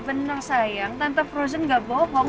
benar sayang tante frozen gak bohong